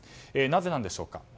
なぜなんでしょうか。